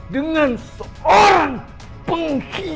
dengan seorang pengkhianat